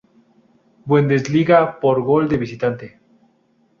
Bundesliga por gol de visitante.